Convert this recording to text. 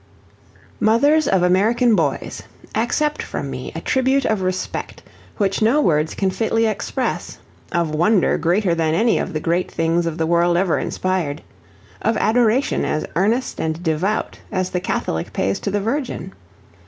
Mothers of American boys, accept from me a tribute of respect, which no words can fitly express of wonder greater than any of the great things of the world ever inspired of adoration as earnest and devout as the Catholic pays to the Virgin.